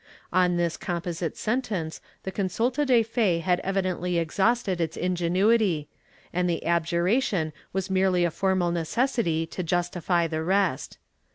^ On this composite sentence the consulta de fe had evidently exhausted its ingenuity, and the abjuration was merely a formal necessity to justify the rest.